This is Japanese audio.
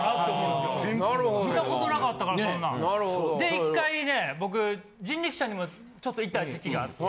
一回ね僕人力舎にもちょっと行った時期があって